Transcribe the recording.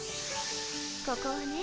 ここはね